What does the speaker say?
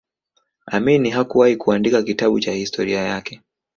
Amini hakuwahi kuandika kitabu cha historia yake